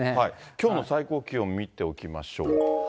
きょうの最高気温、見ておきましょう。